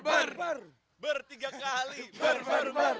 ber tiga kali ber